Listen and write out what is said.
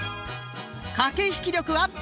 「駆け引き力アップ！